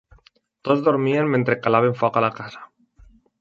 Tots dormien mentre calaven foc a la casa.